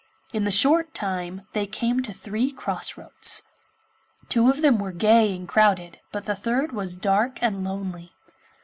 In a short time they came to three cross roads; two of them were gay and crowded, but the third was dark and lonely.